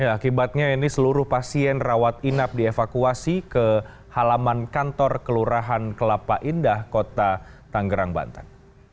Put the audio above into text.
akibatnya ini seluruh pasien rawat inap dievakuasi ke halaman kantor kelurahan kelapa indah kota tanggerang banten